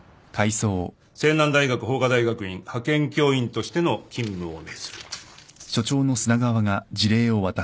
青南大学法科大学院派遣教員としての勤務を命ずる